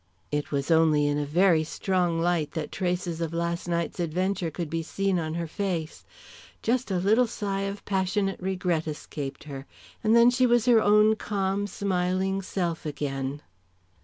It was only in a very strong light that traces of last night's adventures could be seen on her face. Just a little sigh of passionate regret escaped her, and then she was her own calm smiling self again.